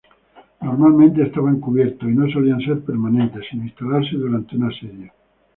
Normalmente estaban cubiertos y no solían ser permanentes, sino instalarse durante un asedio.